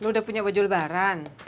lu udah punya wajah lebaran